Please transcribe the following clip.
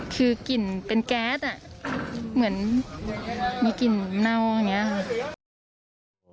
คือกลิ่นเป็นแก๊สเหมือนมีกลิ่นเน่าอย่างนี้ค่ะ